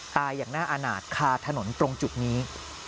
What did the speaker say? ตายอย่างหน้าอาหนาดคาถนนตรงจุดนี้